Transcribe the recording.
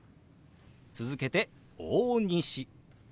続けて「大西」。